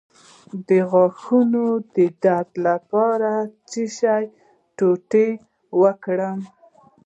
د غاښونو د درد لپاره د څه شي ټوټه وکاروم؟